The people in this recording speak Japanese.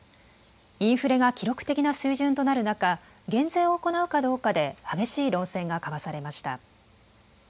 インフレが記録的な水準となる中、減税を行うかどうかで激しい論戦が交わされました。